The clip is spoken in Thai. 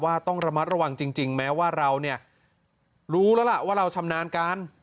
ต้องระมัดระวังจริงแม้ว่าเราเนี่ยรู้แล้วล่ะว่าเราชำนาญการ